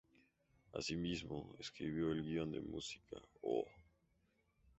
Asimismo, escribió el guion del musical "Oh!